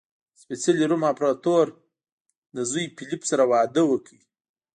د سپېڅلي روم امپراتور له زوی فلیپ سره واده وکړ.